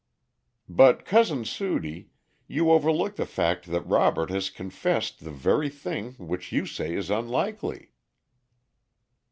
"But, Cousin Sudie, you overlook the fact that Robert has confessed the very thing which you say is unlikely."